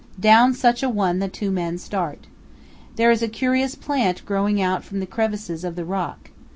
Down such a one the two men start. There is a curious plant growing out from the crevices of the rock.